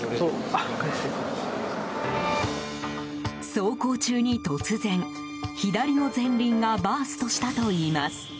走行中に突然、左の前輪がバーストしたといいます。